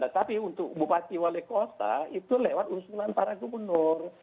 tapi untuk bupati wali kota itu lewat usulan para gubernur